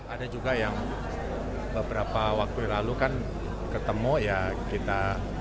ada juga yang beberapa waktu lalu kan ketemu ya kita